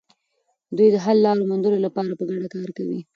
دوی د حل لارو موندلو لپاره په ګډه کار کوي.